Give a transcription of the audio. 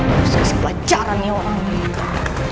masa masa pelajaran nih orang ini